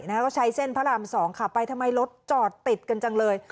แล้วก็ใช้เส้นพระรามสองพลักษณ์ติดทำไมลดจอดติดเกินจังเลย